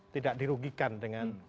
tidak dirugikan dengan